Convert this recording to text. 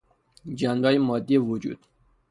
جنبههای مادی وجود